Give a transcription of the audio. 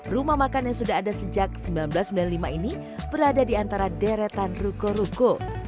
rumah makan yang sudah ada sejak seribu sembilan ratus sembilan puluh lima ini berada di antara deretan ruko ruko